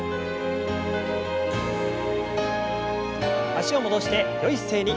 脚を戻してよい姿勢に。